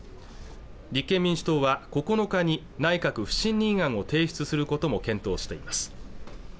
立憲民主党は９日に内閣不信任案を提出することも検討しています